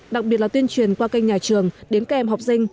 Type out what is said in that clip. đặc biệt là tuyên truyền qua kênh nhà trường đến các em học sinh